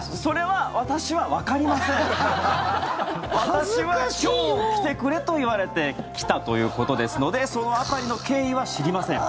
私は今日来てくれと言われて来たということですのでその辺りの経緯は知りません。